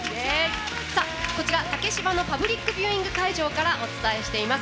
こちら、竹芝のパブリックビューイング会場からお伝えしています。